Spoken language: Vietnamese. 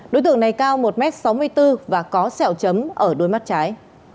đối tượng này cao một m sáu mươi bốn và có sẹo chấm ở đuôi mắt trái